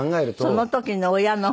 その時の親の。